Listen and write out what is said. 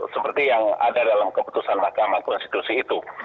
seperti yang ada dalam keputusan mahkamah konstitusi itu